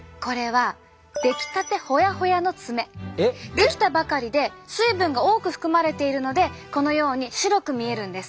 できたばかりで水分が多く含まれているのでこのように白く見えるんです。